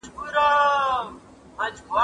زه به سبا لاس پرېولم؟!